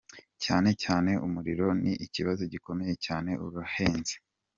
Cyane cyane umuriro ni ikibazo gikomeye cyane, urahenze.